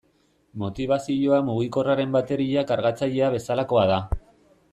Motibazioa mugikorraren bateria kargatzailea bezalakoa da.